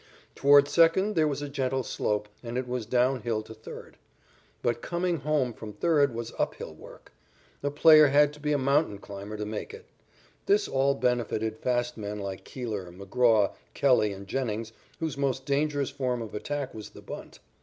Toward second there was a gentle slope, and it was down hill to third. But coming home from third was up hill work. A player had to be a mountain climber to make it. This all benefited fast men like Keeler, McGraw, Kelley and Jennings whose most dangerous form of attack was the bunt.